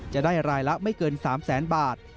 จะได้รายละไม่เกิน๓แสนบาท